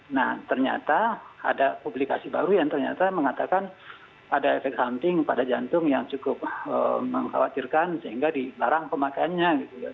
nah ternyata ada publikasi baru yang ternyata mengatakan ada efek samping pada jantung yang cukup mengkhawatirkan sehingga dilarang pemakaiannya gitu ya